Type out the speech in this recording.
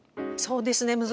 そうですね